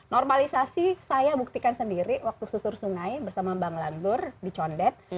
normalisasi saya buktikan sendiri waktu susur sungai bersama bang lagur di condet